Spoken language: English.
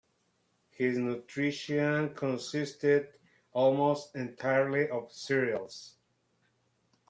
His nutrition consisted almost entirely of cereals.